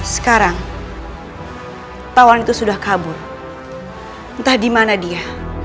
sekarang pawan itu sudah kabur entah di mana dia